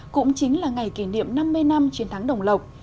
cũng chính là ngày kỷ niệm năm mươi năm chiến thắng đồng lộc